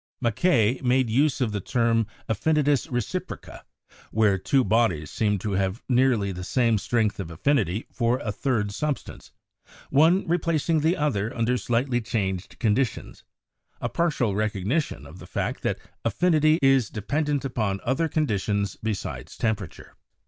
Macquer made use of the term "affinitas reciproca," where two bodies seemed to have nearly the same strength of affinity for a third substance, one replacing the other under slightly changed conditions — a partial recognition of the fact that affinity is dependent upon other conditions besides temperature.